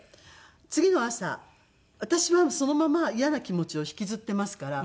次の朝私はそのまま嫌な気持ちを引きずっていますから。